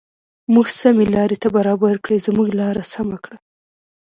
موږ سمې لارې ته برابر کړې زموږ لار سمه کړه.